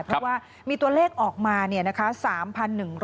เพราะว่ามีตัวเลขออกมา๓๑๙๕ศพ